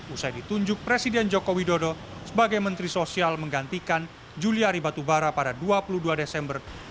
usai ditunjuk presiden joko widodo sebagai menteri sosial menggantikan juliari batubara pada dua puluh dua desember dua ribu dua puluh